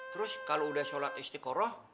terus kalau udah sholat istiqoroh